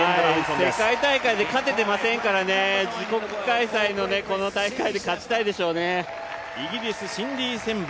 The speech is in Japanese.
世界大会で勝てていませんから自国開催のこの大会で勝ちたいでしょうね。